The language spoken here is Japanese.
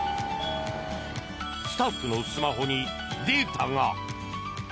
スタッフのスマホにデータが。